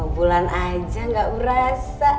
sepuluh bulan aja gak berasa